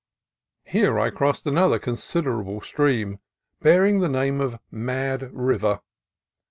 Here I crossed another considerable stream, bear ing the name of Mad River.